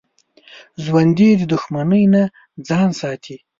ژوندي د دښمنۍ نه ځان ساتي